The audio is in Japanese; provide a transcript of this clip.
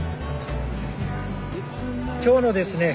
今日のですね